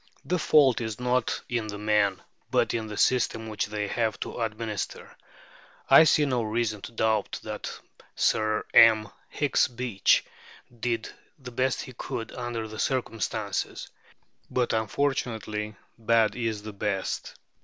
The fault is not in the men, but in the system which they have to administer. I see no reason to doubt that Sir M. Hicks Beach did the best he could under the circumstances; but, unfortunately, bad is the best.